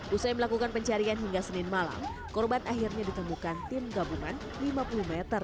usai melakukan pencarian hingga senin malam korban akhirnya ditemukan tim gabungan lima puluh meter